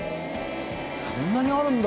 そんなにあるんだ！